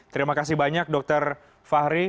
terima kasih banyak dokter fahri